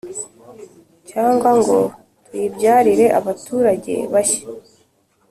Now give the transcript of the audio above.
cyangwa ngo tuyibyarire abaturage bashya.